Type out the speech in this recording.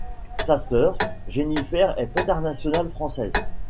Sa sœur, Jennifer est internationale française.